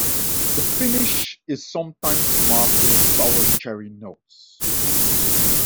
The finish is sometimes marked with sour-cherry notes.